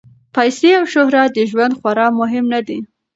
پیسې او شهرت د ژوند خورا مهم نه دي.